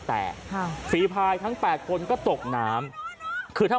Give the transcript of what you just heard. เฮ้ยเฮ้ยเฮ้ยเฮ้ย